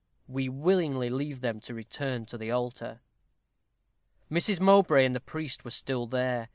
We willingly leave them to return to the altar. Mrs. Mowbray and the priest were still there.